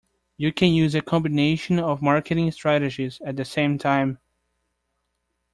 You can use a combination of marketing strategies at the same time.